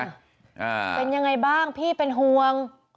อ่าเป็นยังไงบ้างพี่เป็นห่วง